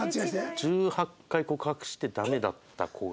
１８回告白してダメだった子が。